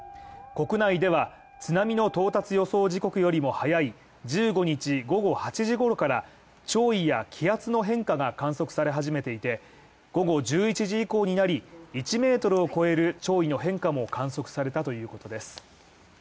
国内では、津波の到達予想時刻よりも早い１５日午後８時ごろから、潮位や気圧の変化が観測され始めていて、午後１１時以降になり、１ｍを超える潮位の変化も観測されたということです。